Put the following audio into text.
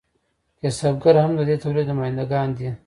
کسبګر هم د دې تولید نماینده ګان دي.